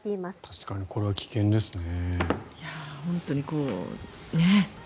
確かにこれは危険ですね。